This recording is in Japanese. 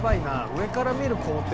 上から見る校庭。